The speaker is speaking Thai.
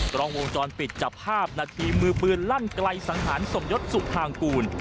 กล้องวงจรปิดจับภาพนาทีมือปืนลั่นไกลสังหารสมยศสุภางกูล